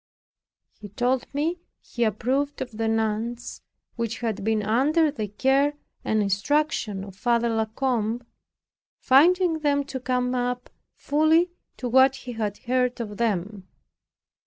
He told me, "he approved of the nuns, which had been under the care and instruction of Father La Combe, finding them to come up fully to what he had heard of them."